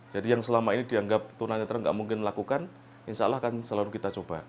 jadi yang selama ini dianggap tunanetra tidak mungkin melakukan insya allah selalu kita coba